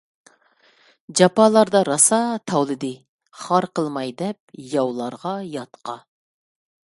جاپالاردا راسا تاۋلىدى، خار قىلماي دەپ ياۋلارغا ياتقا.